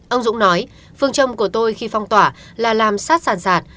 ông dũng nói phương châm của tôi khi phong tỏa là làm sát sàn sạt